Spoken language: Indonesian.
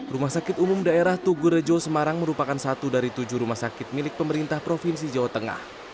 rumah sakit umum daerah tugurejo semarang merupakan satu dari tujuh rumah sakit milik pemerintah provinsi jawa tengah